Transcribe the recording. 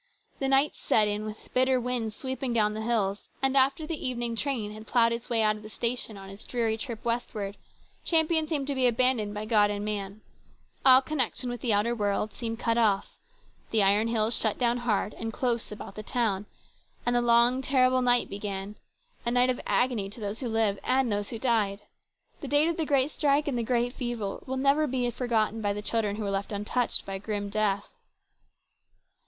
The nights set in with bitter winds sweeping down the hills, and after the evening train had ploughed its way out of the station on its dreary trip westward, Champion seemed to be abandoned by God and man ; all connection with the outer world seemed cut off, the iron hills shut down hard and close about the town, and the long, terrible night began a night of agony to those who lived and those who died. The date of the great strike and the great fever will never be forgotten by the children who were left untouched by grim Death.